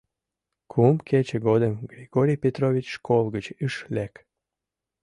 Кум кече годым Григорий Петрович школ гыч ыш лек...